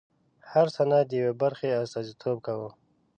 هر سند د یوې برخې استازیتوب کاوه.